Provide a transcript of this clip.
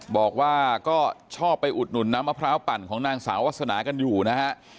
บอกว่าก็ชอบไปอุดหนุนน้ำมะพร้าวปั่นของนางสาววาสนากันอยู่นะฮะ